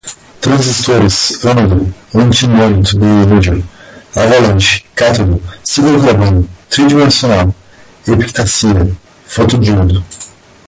transistores, ânodo, antimoneto de índio, avalanche, cátodo, ciclocarbono, tridimensional, epitaxia, fotodiodo